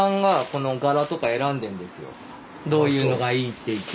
どういうのがいいっていって。